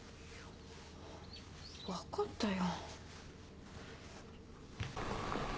分かったよ。